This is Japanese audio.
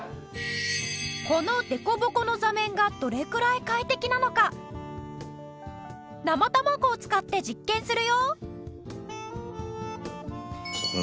このデコボコの座面がどれくらい快適なのか生卵を使って実験するよ！